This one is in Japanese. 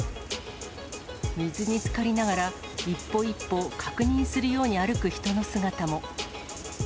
水につかりながら、一歩一歩確認するように歩く人の姿も。